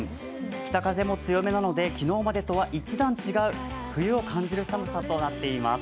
北風も強めなので昨日までとは一段違う冬を感じる寒さとなっています。